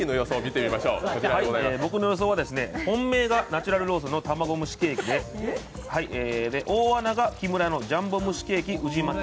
僕の予想は本命がナチュラルローソンのたまごむしケーキで大穴が木村屋のジャンボむしケーキ宇治抹茶。